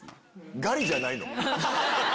ガリじゃないの？